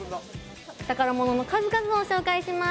宝物の数々を紹介します。